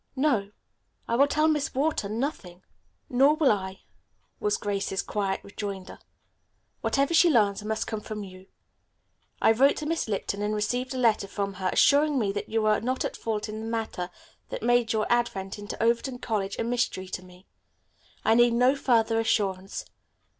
"No; I will tell Miss Wharton nothing." "Nor will I," was Grace's quiet rejoinder. "Whatever she learns must come from you. I wrote to Miss Lipton and received a letter from her assuring me that you are not at fault in the matter that made your advent into Overton College a mystery to me. I need no further assurance.